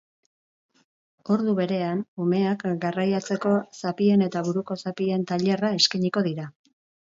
Ordu berean, umeak garraiatzeko zapien eta buruko zapien tailerra eskainiko dira.